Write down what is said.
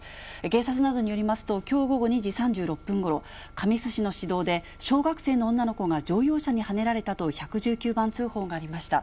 警察などによりますと、きょう午後２時３６分ごろ、神栖市の市道で、小学生の女の子が乗用車にはねられたと１１９番通報がありました。